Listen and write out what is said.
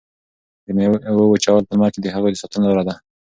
د میوو وچول په لمر کې د هغوی د ساتنې لاره ده.